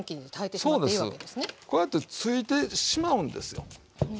こうやってついてしまうんですよね。